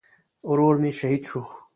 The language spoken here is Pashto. ورور مې شهید شو